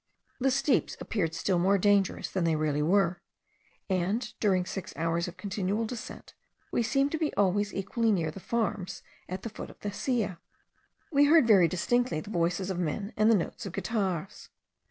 The steeps appeared still more dangerous than they really were; and, during six hours of continual descent, we seemed to be always equally near the farms at the foot of the Silla. We heard very distinctly the voices of men and the notes of guitars.